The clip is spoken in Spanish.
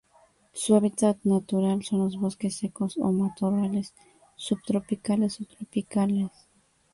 Su hábitat natural son los bosques secos o matorrales subtropicales o tropicales.